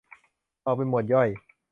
ออกเป็นหมวดย่อย